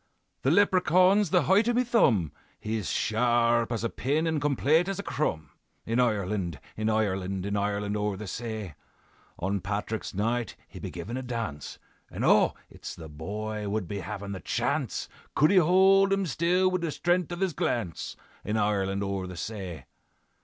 "'The Leprechaun's the height o' me thumb; He's sharp as a pin and complate as a crumb; In Ireland, in Ireland, In Ireland o'er the say, On Patrick's Night he be givin' a dance, And oh! it's the boy would be havin' the chance Could he hold him still wid the stren'th of his glance, In Ireland o'er the say.